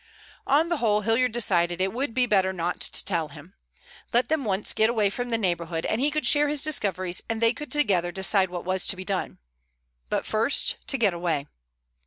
On the whole, Hilliard decided, it would be better not to tell him. Let them once get away from the neighborhood, and he could share his discoveries and they could together decide what was to be done. But first, to get away.